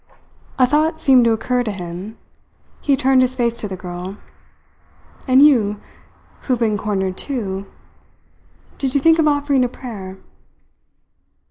A thought seemed to occur to him. He turned his face to the girl. "And you, who have been cornered too did you think of offering a prayer?"